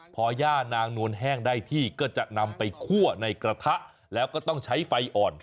อย่านางนวลแห้งได้ที่ก็จะนำไปคั่วในกระทะแล้วก็ต้องใช้ไฟอ่อน